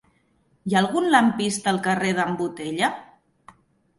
Hi ha algun lampista al carrer d'en Botella?